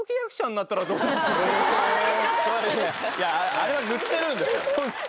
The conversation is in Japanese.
あれは塗ってるんですよ。